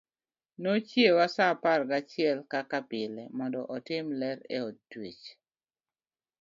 Nochiewa sa apar gachiel kaka pile mondo otim ler e od twech.